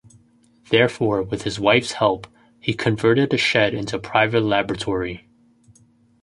Therefore, with his wife's help, he converted a shed into a private laboratory.